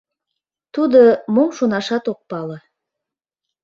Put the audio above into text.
Тудо мом шонашат ок пале.